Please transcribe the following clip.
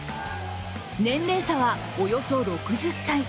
年齢差はおよそ６０歳。